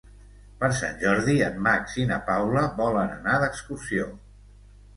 Per Sant Jordi en Max i na Paula volen anar d'excursió.